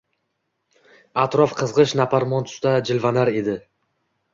atrof qizgʼish-naparmon tusda jilvalanar edi.